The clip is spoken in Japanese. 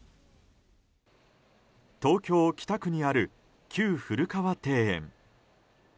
東京・北区にある旧古河庭園。